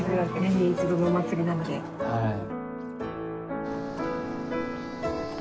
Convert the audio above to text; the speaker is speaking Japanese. はい。